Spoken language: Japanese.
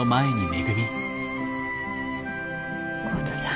浩太さん